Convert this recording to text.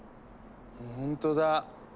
ほんとだ。